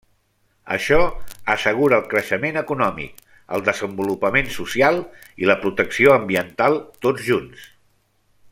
Això assegura el creixement econòmic, el desenvolupament social i la protecció ambiental tots junts.